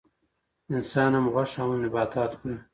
انسان هم غوښه او هم نباتات خوري